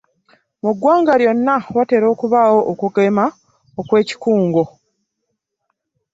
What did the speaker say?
Mu ggwanga lyonna watera okubaawo okugema okw'ekikungo.